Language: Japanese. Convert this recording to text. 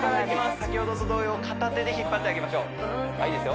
先ほどと同様片手で引っ張ってあげましょういいですよ